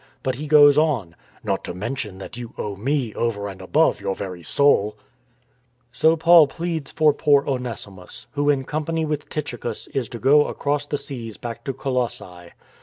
But he goes on, " Not to mention that you owe me, over and above, your very soul !" So Paul pleads for poor Onesimus, who in company with Tychicus is to go across the seas back to Colossae.